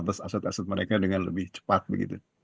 atas aset aset mereka dengan lebih cepat begitu